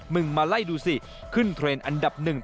มาไล่ดูสิขึ้นเทรนด์อันดับหนึ่ง